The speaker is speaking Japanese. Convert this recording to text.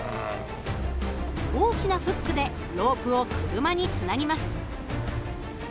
大きなフックでロープを車につなぎます。